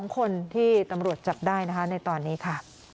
๒คนที่ตำรวจจับได้นะคะในตอนนี้ค่ะ